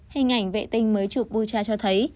hình ảnh vệ tinh mới chụp bucha cho thấy